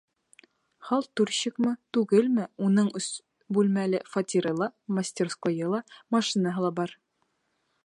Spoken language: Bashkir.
Халтурщикмы, түгелме, уның өс бүлмәле фатиры ла, мастерскойы ла, машинаһы ла бар.